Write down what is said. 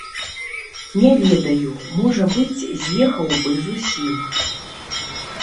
Не ведаю, можа быць, з'ехаў бы зусім.